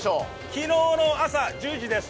昨日の朝１０時です。